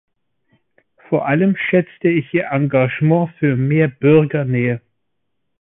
Vor allem schätze ich Ihr Engagement für mehr Bürgernähe.